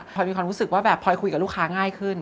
พอยมีความรู้สึกว่าแบบพลอยคุยกับลูกค้าง่ายขึ้น